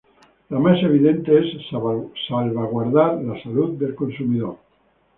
La más evidente es salvaguardar la salud del consumidor.